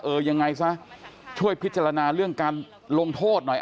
ยังไงซะช่วยพิจารณาเรื่องการลงโทษหน่อย